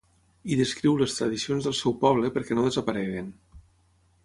Hi descriu les tradicions del seu poble perquè no desapareguin.